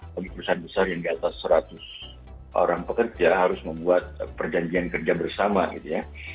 bagi perusahaan besar yang di atas seratus orang pekerja harus membuat perjanjian kerja bersama gitu ya